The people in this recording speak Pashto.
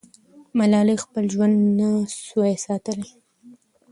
ملالۍ خپل ژوند نه سوای ساتلی.